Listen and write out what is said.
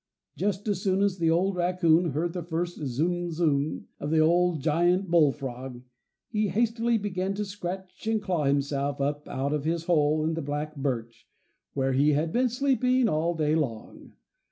Just as soon as the old raccoon heard the first "zoom, zoom" of the old giant bullfrog, he hastily began to scratch and claw himself up out of his hole in the black birch, where he had been sleeping all day long.